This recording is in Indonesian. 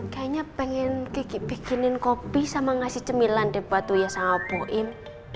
kayaknya pengen kiki bikinin kopi sama ngasih cemilan deh buat tuyasang opoim